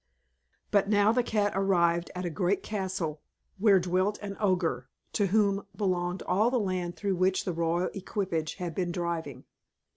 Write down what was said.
But now the cat arrived at a great castle where dwelt an Ogre, to whom belonged all the land through which the royal equipage had been driving.